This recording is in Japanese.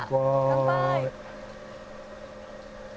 乾杯。